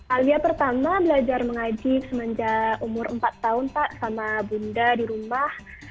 alia pertama belajar mengaji semenjak umur empat tahun pak sama bunda di rumah